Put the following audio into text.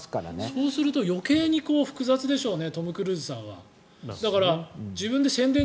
そうすると余計に複雑でしょうね。